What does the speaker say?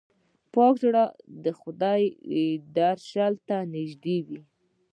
پاک زړه د خدای درشل ته نږدې وي.